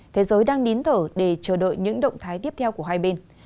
thế giới đang nín thở để chờ đợi những động thái tiếp theo của hai bên